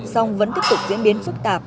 xong vẫn tiếp tục diễn biến phức tạp